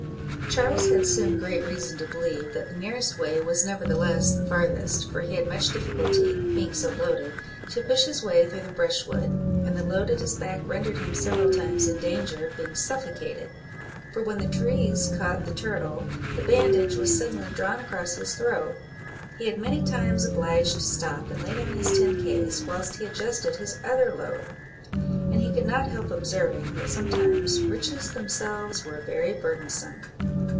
Charles had soon great reason to believe that the nearest way was nevertheless the farthest, for he had much difficulty (being so loaded) to push his way through the brushwood; and the load at his back rendered him several times in danger of being suffocated, for when the trees caught the turtle, the bandage was suddenly drawn across his throat; he was many times obliged to stop and lay down his tin case, whilst he adjusted his other load; and he could not help observing, that sometimes "riches themselves were very burdensome."